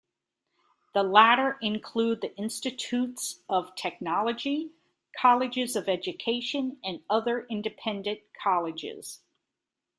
The latter include the Institutes of Technology, Colleges of Education, and other independent colleges.